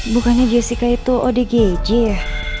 bukannya jessica itu odgj ya